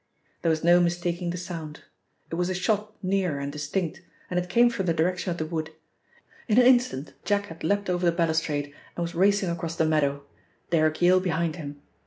There was no mistaking the sound. It was a shot near and distinct, and it came from the direction of the wood. In an instant Jack had leapt over the balustrade and was racing across the meadow. Derrick Yale behind him.